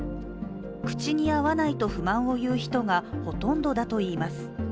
口に合わないと不満を言う人がほとんどだといいます。